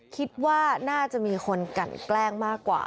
คิดว่าน่าจะมีคนกันแกล้งมากกว่า